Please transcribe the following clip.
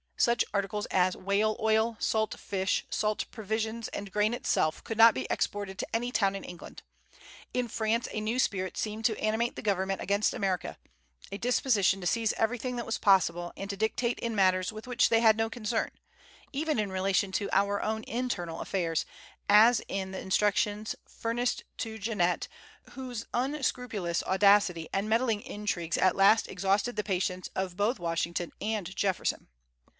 Such articles as whale oil, salt fish, salt provisions, and grain itself, could not be exported to any town in England. In France a new spirit seemed to animate the government against America, a disposition to seize everything that was possible, and to dictate in matters with which they had no concern, even in relation to our own internal affairs, as in the instructions furnished to Genet, whose unscrupulous audacity and meddling intrigues at last exhausted the patience of both Washington and Jefferson.